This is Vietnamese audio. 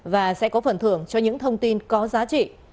và sẽ có phần thưởng cho những thông tin có giá trị